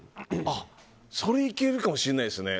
あ、それいけるかもしれないですね。